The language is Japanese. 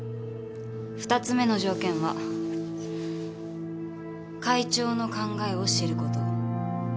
２つ目の条件は会長の考えを知る事。